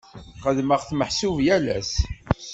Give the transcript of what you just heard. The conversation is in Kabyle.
Xeddmeɣ-t meḥsub yal ass.